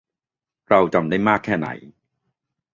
เราจำได้มากแค่ไหน